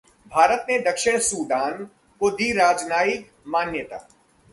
भारत ने दक्षिण सूडान को दी राजनयिक मान्यता